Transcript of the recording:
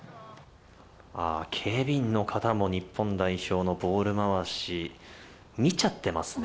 警備員の方も、日本代表のボール回し、見ちゃってますね。